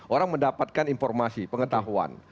orang mendapatkan informasi pengetahuan